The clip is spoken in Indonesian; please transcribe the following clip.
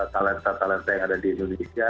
talenta talenta yang ada di indonesia